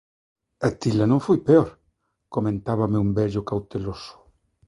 "Atila non foi peor", comentábame un vello cauteloso."